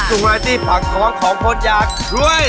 ถึงไว้ที่ผักของน้องคนอยากรวย